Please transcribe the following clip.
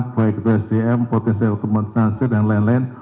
baik itu sdm potensi rekomendasi dan lain lain